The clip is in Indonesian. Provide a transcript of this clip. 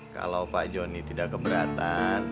kalau pak joni tidak keberatan